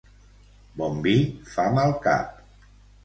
Bon vi fa mal cap.